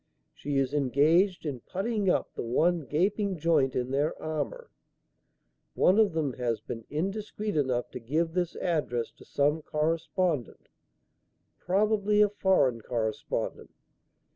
She is engaged in puttying up the one gaping joint in their armour. One of them has been indiscreet enough to give this address to some correspondent probably a foreign correspondent.